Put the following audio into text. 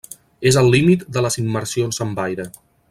És el límit de les immersions amb aire.